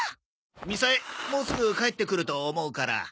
みさえもうすぐ帰ってくると思うから。